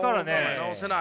治せない。